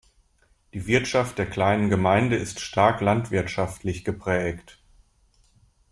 Die Wirtschaft der kleinen Gemeinde ist stark landwirtschaftlich geprägt.